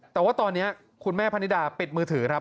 แต่ว่าตอนนี้คุณแม่พนิดาปิดมือถือครับ